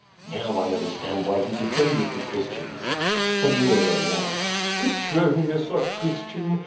"Now I understand why he defended the Christians!" But Nero laughed. "Petronius a Christian?